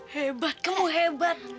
hebat kamu hebat